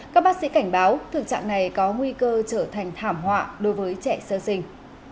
các bác sĩ cảnh báo thực trạng này có nguy cơ trở thành thảm họa đối với trẻ sơ sinh